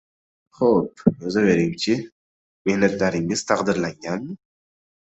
Xo‘p, yozavering-chi. Mehnatlaringiz taqdirlanganmi?